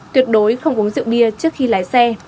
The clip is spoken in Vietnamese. tuyệt đối không uống rượu bia trước khi lái xe